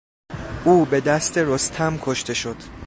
او به دست رستم کشته شد.